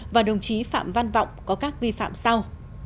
và đồng chí phạm văn vọng có các vi phạm sau